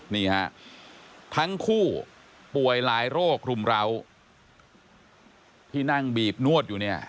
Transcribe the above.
นี่ฮะทั้งคู่ป่วยหลายโรครุมราวที่นั่งบีบนวดอยู่เนี่ย